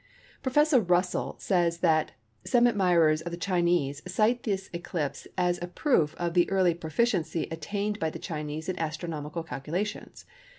Professor Russell says that:—"Some admirers of the Chinese cite this eclipse as a proof of the early proficiency attained by the Chinese in astronomical calculations.